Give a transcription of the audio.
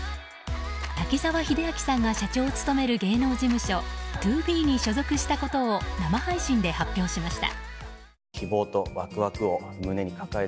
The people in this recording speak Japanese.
滝沢秀明さんが社長を務める芸能事務所ＴＯＢＥに所属したことを生配信で発表しました。